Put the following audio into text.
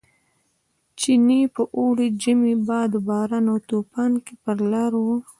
چیني په اوړي، ژمي، باد و باران او توپان کې پر لار و.